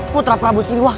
putra prabusi wang